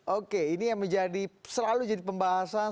oke ini yang menjadi selalu jadi pembahasan